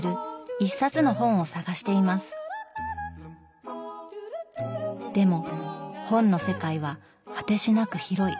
でも本の世界は果てしなく広い。